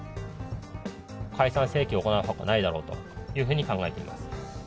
解散請求を行うほかないだろうというふうに考えています。